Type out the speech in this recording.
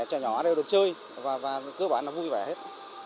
trẻ nhỏ đều được chơi và cơ bản là vui vẻ hết